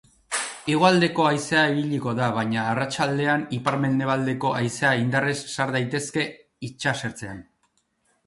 Hegoaldeko haizea ibiliko da, baina arratsaldean ipar-mendebaldeko haizea indarrez sar daitezke itsasertzean.